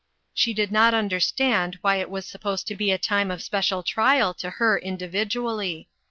She did not understand why it was supposed to be a time of special trial to her individ ually.